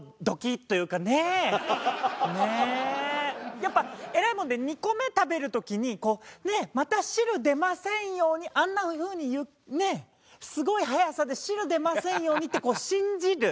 やっぱえらいもんで２個目食べる時にこうねえまた汁出ませんようにあんな風にねえすごい速さで汁出ませんようにってこう信じる。